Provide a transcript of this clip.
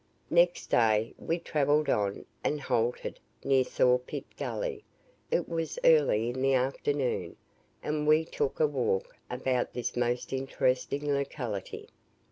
Next day we travelled on, and halted near Saw pit Gully; it was early in the afternoon, and we took a walk about this most interesting locality.